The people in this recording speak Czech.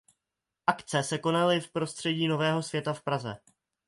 Akce se konaly v prostředí Nového Světa v Praze.